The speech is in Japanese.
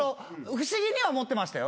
不思議には思ってましたよ。